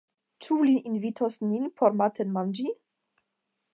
Ĉu li invitos nin por matenmanĝi?